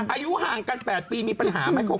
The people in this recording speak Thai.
อายุห่างกัน๘ปีมีปัญหาไหม